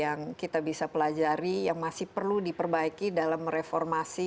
yang kita bisa pelajari yang masih perlu diperbaiki dalam reformasi